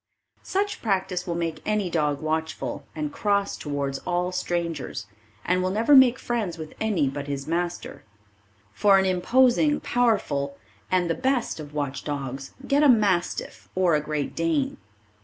Such practice will make any dog watchful and cross towards all strangers, and will never make friends with any but his master. For an imposing, powerful and the best of watch dogs get a Mastiff or a Great Dane.